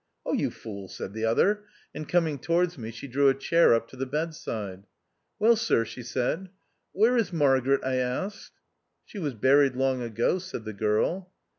" Oh, you fool !" said the other ; and coming towards me she drew a chair up to the bed side. " Well, Sir ?" she said. " Where is the . Where is Margaret?" I asked. " She was buried long ago," said the girl.